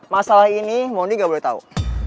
masalah ini moni gak boleh tau